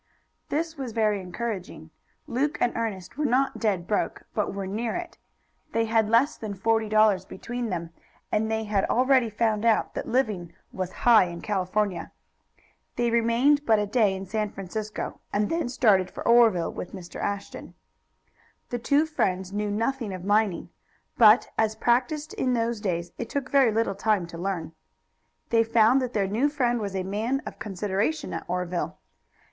This was very encouraging. Luke and Ernest were not dead broke, but were near it. They had less than forty dollars between them, and they had already found out that living was high in California. They remained but a day in San Francisco, and then started for Oreville with Mr. Ashton. The two friends knew nothing of mining, but as practiced in those days it took very little time to learn. They found that their new friend was a man of consideration at Oreville.